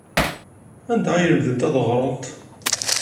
Anda ay lemdent ad ɣrent?